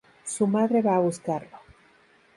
Su madre va a buscarlo.